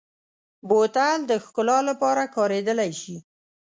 بوتل د ښکلا لپاره کارېدلی شي.